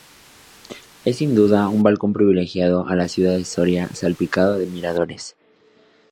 Es sin duda, un balcón privilegiado a la ciudad de Soria salpicado de miradores.